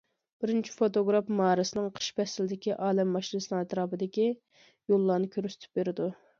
بىرىنچى فوتوگراف مارسنىڭ قىش پەسلىدىكى ئالەم ماشىنىسىنىڭ ئەتراپىدىكى يوللارنى كۆرسىتىپ بېرىدۇ.